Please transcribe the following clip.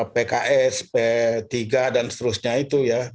pks p tiga dan seterusnya itu ya